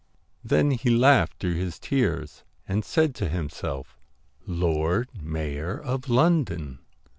Then he laughed through his tears, and said to himself, * Lord Mayor of London